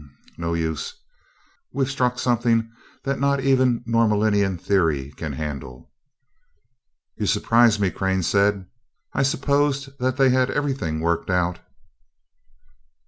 No use we've struck something that not even Norlaminian theory can handle." "You surprise me." Crane said. "I supposed that they had everything worked out."